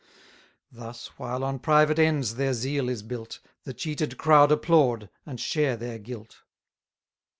Thus, while on private ends their zeal is built, The cheated crowd applaud, and share their guilt.